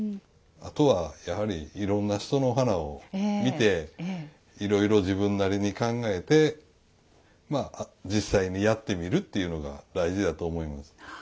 あとはやはりいろんな人の花を見ていろいろ自分なりに考えてまあ実際にやってみるっていうのが大事だと思います。